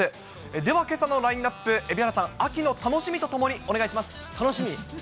ではけさのラインナップ、蛯原さん、秋の楽しみとともに、お願い楽しみ？